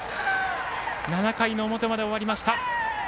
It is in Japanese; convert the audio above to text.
７回の表まで終わりました。